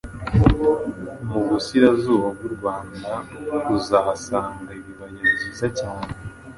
Mu burasirazuba bw’u Rwanda uzahasanga ibibaya byiza cyane,